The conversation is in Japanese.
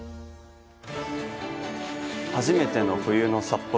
初めての冬の札幌。